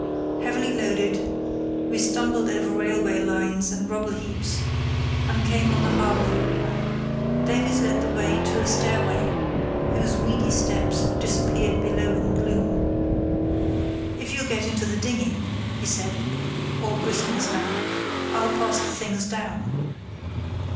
Heavily loaded, we stumbled over railway lines and rubble heaps, and came on the harbour. Davies led the way to a stairway, whose weedy steps disappeared below in gloom. "If you'll get into the dinghy," he said, all briskness now, "I'll pass the things down."